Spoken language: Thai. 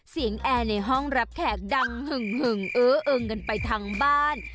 แอร์ในห้องรับแขกดังหึงเอออึงกันไปทั้งบ้าน